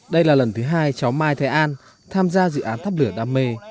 đây là lần thứ hai cháu mai thái an tham gia dự án thắp lửa đam mê